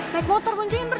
naik motor kuncin berdua